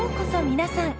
皆さん。